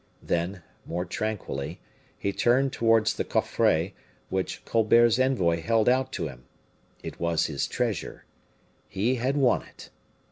Then, more tranquilly, he turned towards the coffret, which Colbert's envoy held out to him. It was his treasure he had won it.